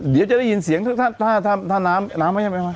เดี๋ยวจะได้ยินเสียงถ้าน้ำไหม